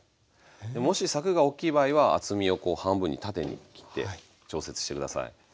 もしさくが大きい場合は厚みを半分に縦に切って調節して下さい。